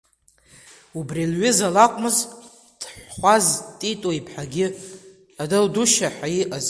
Убри лҩыза лакәмыз Ҭхәаз Титу иԥҳагьы, Адушьа ҳәа иҟаз.